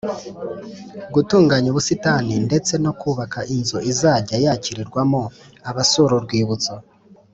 gutunganya ubusitani ndetse no kubaka inzu izajya yakirirwamo abasura urwibutso